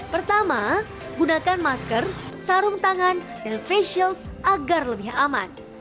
pertama gunakan masker sarung tangan dan face shield agar lebih aman